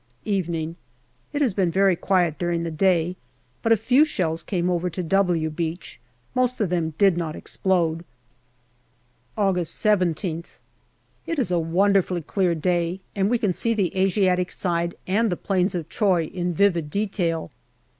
Evening. It has been very quiet during the day, but a few shells came over to " W >J> Beach ; most of them did not explode. August 17th. It is a wonderfully clear day and we can see the Asiatic side and the plains of Troy in vivid detail.